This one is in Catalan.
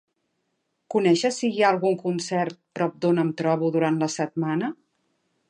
Coneixes si hi ha algun concert prop d'on em trobo durant la setmana?